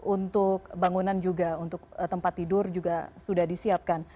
untuk bangunan juga untuk tempat tidur juga sudah disiapkan